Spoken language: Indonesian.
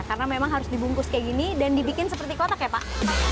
karena memang harus dibungkus kayak gini dan dibikin seperti kotak ya pak